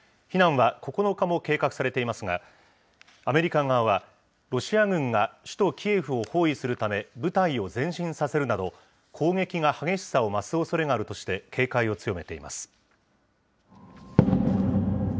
避難は９日も計画されていますが、アメリカ側は、ロシア軍が首都キエフを包囲するため、部隊を前進させるなど、攻撃が激しさを増すおそれがあるとして、警戒を強めています。